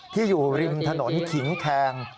ที่อยู่รินถนนขิงแขง